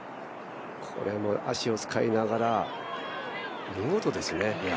これも足を使いながら見事ですね。